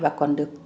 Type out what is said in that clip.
và còn được